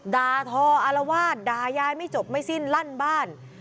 ดาทออารวาสด่ายายไม่จบไม่สิ้นลั่นบ้าน